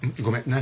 何？